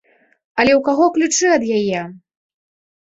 Але ў каго ключы ад яе?